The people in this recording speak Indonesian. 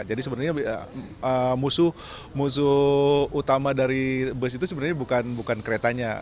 jadi sebenarnya musuh utama dari bus itu sebenarnya bukan keretanya